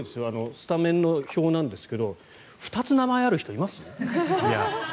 スタメンの表なんですが２つ名前ある人います？